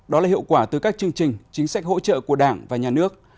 đó là hiệu quả từ các chương trình chính sách hỗ trợ của đảng và nhà nước